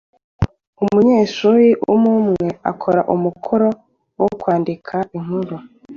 Umunyeshuri umwumwe akore umukoro wo kwandika inkuru